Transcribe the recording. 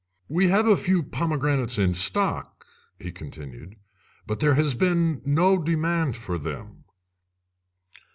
"We have a few pomegranates in stock," he continued, "but there has been no demand for them."